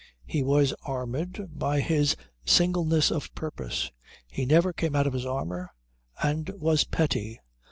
He was armoured by his singleness of purpose. He never came out of his armour and was petty.